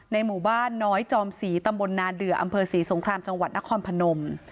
หมู่บ้านน้อยจอมศรีตำบลนาเดืออำเภอศรีสงครามจังหวัดนครพนม